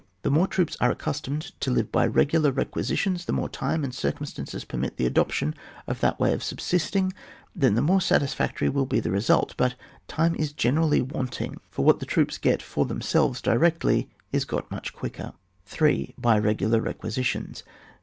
The more troops are accustomed to live by regular requisitions, the more time and circumstances permit the adop tion of that way of subsisting, then the more satisfactory will be the result. But time is generally wanting, for what the troops get for themselves directly is got much quicker. 3. — By regular requisitions.